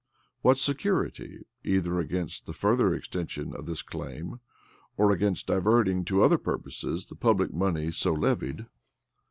What security either against the further extension of this claim, or against diverting to other purposes the public money so levied?